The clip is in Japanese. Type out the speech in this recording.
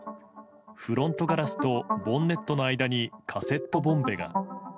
フロントガラスとボンネットの間にカセットボンベが。